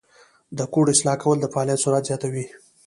د کوډ اصلاح کول د فعالیت سرعت زیاتوي.